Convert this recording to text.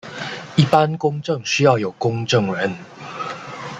一般公证需要有公证人。